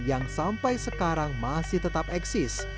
yang sampai sekarang masih tetap eksis